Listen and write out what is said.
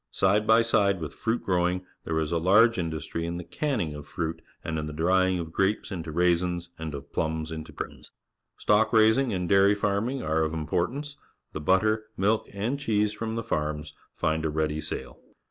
Side by side with fruit growing, there is a large industry in the canning of fruit and in the drying of grapes into raisins and of plums into prunes. Stock raising and dairy farming are of im portance. The butter, milk, and cheese from the farms find a ready sale.